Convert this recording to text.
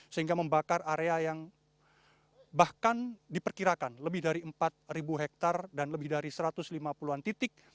sehingga membakar area yang bahkan diperkirakan lebih dari empat hektare dan lebih dari satu ratus lima puluh an titik